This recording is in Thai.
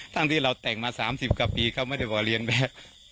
ที่เราแต่งมา๓๐กว่าปีเขาไม่ได้บอกเรียนแบบ